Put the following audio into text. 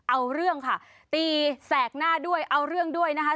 เอาเรื่องค่ะตีแสกหน้าด้วยเอาเรื่องด้วยนะคะ